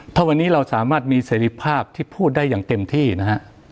ถ้าวันนี้เราสามารถมีเสรีภาพที่พูดได้อย่างเต็มที่นะฮะ